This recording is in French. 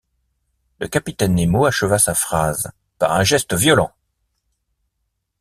Le capitaine Nemo acheva sa phrase par un geste violent.